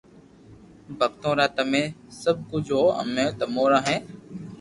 ڀگتو را تمي سب ڪجھ ھون امي تمو را ھي